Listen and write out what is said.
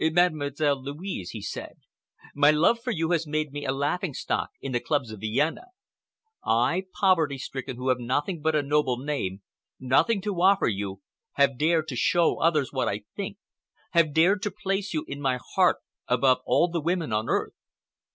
"Mademoiselle Louise," he said, "my love for you has made me a laughing stock in the clubs of Vienna. I—the poverty stricken, who have nothing but a noble name, nothing to offer you—have dared to show others what I think, have dared to place you in my heart above all the women on earth."